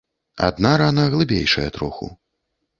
Адна рана глыбейшая троху.